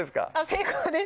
成功です